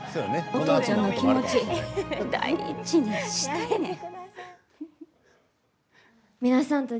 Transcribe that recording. お父ちゃんの気持ち大事にしたいねん。